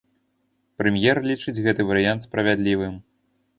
Прэм'ер лічыць гэты варыянт справядлівым.